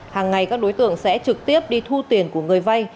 hàng ngày các đối tượng sẽ trực tiếp đi thu tiền của người vay